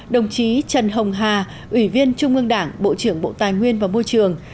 đồng chí trần hồng hà ủy viên trung ương đảng bộ trưởng bộ tài nguyên và môi trường